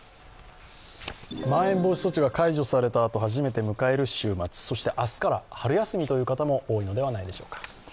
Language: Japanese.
まん延防止措置が解除されたあと、初めて迎える週末、そして明日から春休みという方も多いのではないでしょうか。